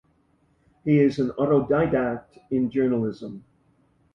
He is an autodidact in journalism.